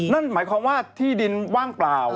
นั่นหมายความว่าที่ดินว่างเปล่า